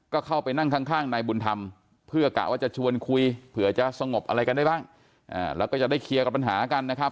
ก็เข้าไปนั่งข้างนายบุญธรรมเพื่อกะว่าจะชวนคุยเผื่อจะสงบอะไรกันได้บ้างแล้วก็จะได้เคลียร์กับปัญหากันนะครับ